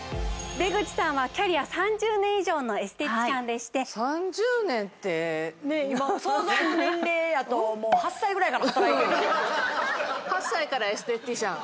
出口さんはキャリア３０年以上のエステティシャンでして３０年ってねっ今想像の年齢やと８歳からエステティシャン？